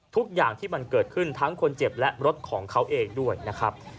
ทุกอย่างที่มันเกิดขึ้นทั้งคนเจ็บและรถของเขาเองด้วยนะครับ